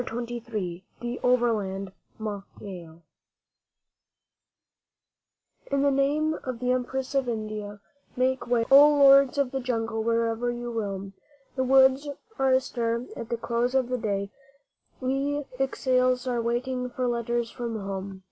THE OVERLAND MAIL [FOOT SERVICE TO THE HILLS] In the name of the Empress of India, make way, O Lords of the Jungle, wherever you roam, The woods are astir at the close of the day We exiles are waiting for letters from Home.